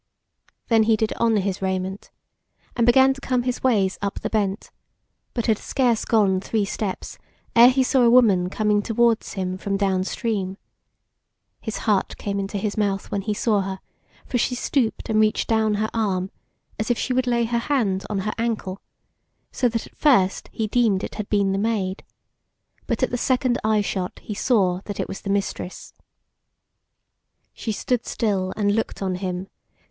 Then he did on his raiment, and began to come his ways up the bent, but had scarce gone three steps ere he saw a woman coming towards him from downstream. His heart came into his mouth when he saw her, for she stooped and reached down her arm, as if she would lay her hand on her ankle, so that at first he deemed it had been the Maid, but at the second eye shot he saw that it was the Mistress.